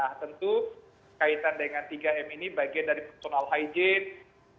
nah tentu kaitan dengan tiga m ini bagian dari personal hygiene